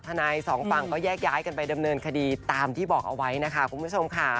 สองฝั่งก็แยกย้ายกันไปดำเนินคดีตามที่บอกเอาไว้นะคะคุณผู้ชมค่ะ